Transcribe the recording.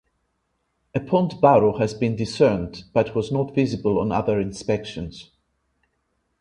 A pond barrow has been discerned but was not visible on other inspections.